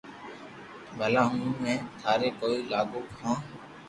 بلا ھون بي ٿاري ڪوئي لاگو ھون